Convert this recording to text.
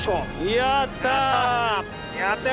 やったよ！